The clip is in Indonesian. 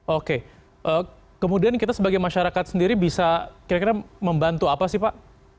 oke kemudian kita sebagai masyarakat sendiri bisa kira kira membantu apa sih pak